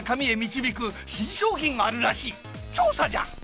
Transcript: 調査じゃ！